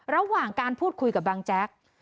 ระหว่างการพูดคุยกับบางแจ๊ก